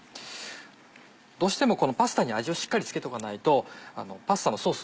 どうしてもこのパスタに味をしっかり付けておかないとパスタのソース